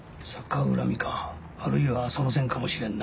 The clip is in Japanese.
あるいはその線かもしれんな。